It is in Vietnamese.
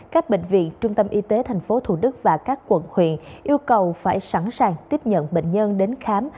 các bệnh viện trung tâm y tế tp thủ đức và các quận huyện yêu cầu phải sẵn sàng tiếp nhận bệnh nhân đến khám